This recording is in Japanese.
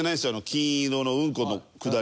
金色のうんこのくだりも。